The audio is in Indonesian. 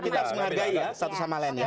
kita harus menghargai ya satu sama lain ya